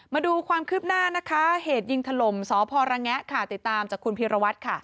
มาดูความคืบหน้านะคะเหตุยิงถล่มสพระแงะค่ะติดตามจากคุณพีรวัตรค่ะ